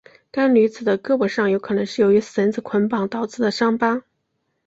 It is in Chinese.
该女子的胳膊上有可能是由于绳子捆绑导致的伤疤。